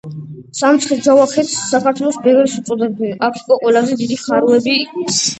სამცხე-ჯავახეთს საქართველოს ,,ბეღელს'' უწოდებდნენ. აქ ყველაზე დიდი ხაროები იყო